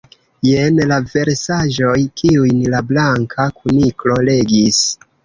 Jen la versaĵoj kiujn la Blanka Kuniklo legis.